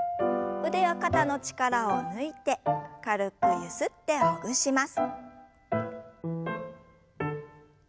腕や肩の力を抜いて軽くゆすってほぐします。